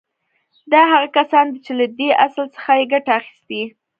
دا هغه کسان دي چې له دې اصل څخه يې ګټه اخيستې.